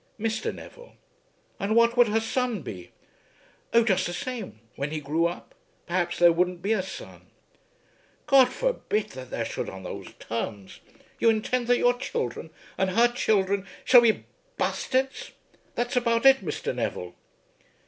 "Mr. Neville." "And what would her son be?" "Oh; just the same, when he grew up. Perhaps there wouldn't be a son." "God forbid that there should on those terms. You intend that your children and her children shall be bastards. That's about it, Mr. Neville."